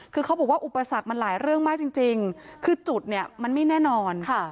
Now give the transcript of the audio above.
คือเขาบอกว่าอุปสรรคมันหลายเรื่องมากจริงคือจุดเนี่ยมันไม่แน่นอน